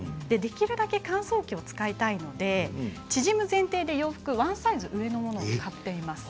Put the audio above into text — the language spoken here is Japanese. できるだけ乾燥機を使いたいので縮む前提で洋服をワンサイズ上のものを買っています。